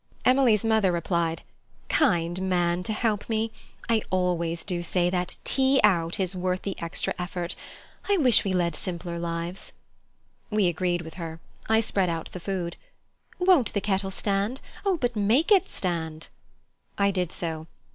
Emily's mother replied: "Kind man, to help me. I always do say that tea out is worth the extra effort. I wish we led simpler lives." We agreed with her. I spread out the food. "Won't the kettle stand? Oh, but make it stand." I did so.